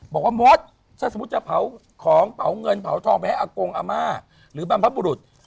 มดถ้าสมมุติจะเผาของเผาเงินเผาทองไปให้อากงอาม่าหรือบรรพบุรุษ